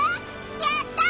やった！